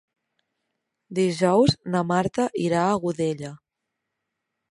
Dijous na Marta irà a Godella.